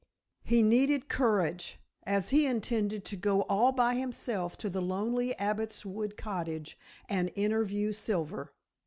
He needed courage, as he intended to go all by himself to the lonely Abbot's Wood Cottage and interview Silver.